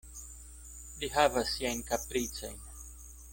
Li havas siajn kapricojn.